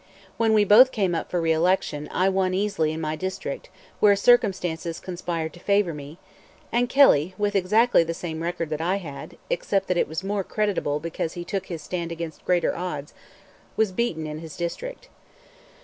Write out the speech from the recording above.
When we both came up for reelection, I won easily in my district, where circumstances conspired to favor me; and Kelly, with exactly the same record that I had, except that it was more creditable because he took his stand against greater odds, was beaten in his district.